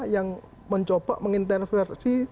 yang mencoba menginterversi